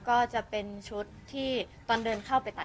ขอบคุณครับ